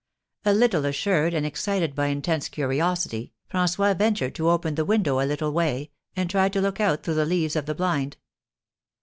A little assured, and excited by intense curiosity, François ventured to open the window a little way, and tried to look out through the leaves of the blind.